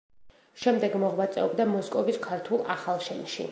შემდეგ მოღვაწეობდა მოსკოვის ქართულ ახალშენში.